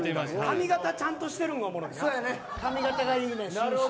髪型がちゃんとしてるんがおもろいな。